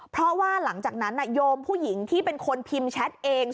เพราะว่าหลังจากนั้นโยมผู้หญิงที่เป็นคนพิมพ์แชทเอง